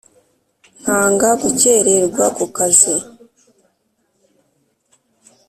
Ntanga gukererwa kukazi